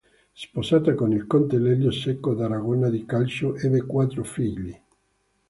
Sposata con il conte Lelio Secco d'Aragona di Calcio ebbe quattro figli.